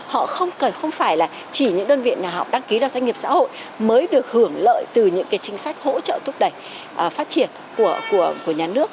họ không phải là chỉ những đơn vị nào họ đăng ký ra doanh nghiệp xã hội mới được hưởng lợi từ những cái chính sách hỗ trợ thúc đẩy phát triển của nhà nước